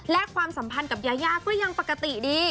และความสัมพันธ์กับยายาก็ยังปกติดี